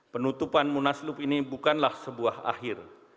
penutupan munaslup ini bukanlah sebuah akhir